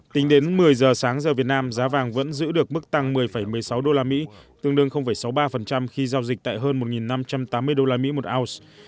tính đến một mươi giờ sáng giờ việt nam giá vàng vẫn giữ được mức tăng một mươi một mươi sáu usd tương đương sáu mươi ba khi giao dịch tại hơn một năm trăm tám mươi usd một ounce